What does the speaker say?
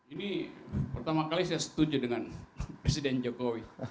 ini pertama kali saya setuju dengan presiden jokowi